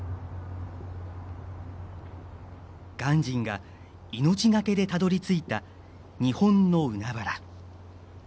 鑑真が命懸けでたどりついた日本の海原。